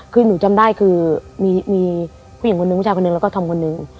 คือหนูจำได้คือมีผู้หญิงคนนึงผู้ชายคนหนึ่งแล้วก็ธอมคนหนึ่ง